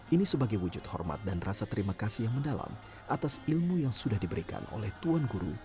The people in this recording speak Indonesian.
ini sebagai wujud hormat dan rasa terima kasih yang mendalam atas ilmu yang sudah diberikan oleh tuan guru